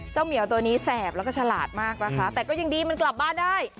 เหมียวตัวนี้แสบแล้วก็ฉลาดมากนะคะแต่ก็ยังดีมันกลับบ้านได้